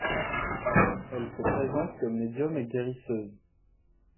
Elle se présente comme médium et guérisseuse.